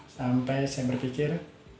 sampai saya berpikir